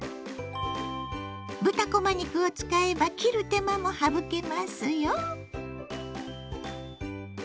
豚こま肉を使えば切る手間も省けますよ。